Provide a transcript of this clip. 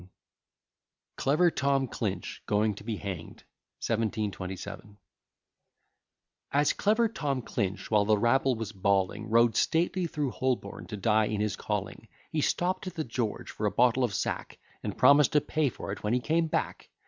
_] CLEVER TOM CLINCH GOING TO BE HANGED. 1727 As clever Tom Clinch, while the rabble was bawling, Rode stately through Holborn to die in his calling, He stopt at the George for a bottle of sack, And promised to pay for it when he came back.